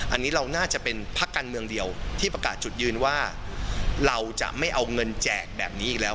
อันนี้เราน่าจะเป็นพักการเมืองเดียวที่ประกาศจุดยืนว่าเราจะไม่เอาเงินแจกแบบนี้อีกแล้ว